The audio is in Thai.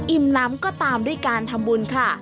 ล้ำก็ตามด้วยการทำบุญค่ะ